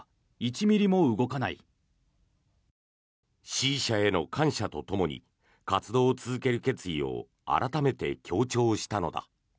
支持者への感謝とともに活動を続ける決意を改めて強調したのだ。